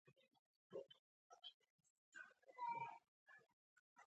هېواد د پاک نیت نښه ده.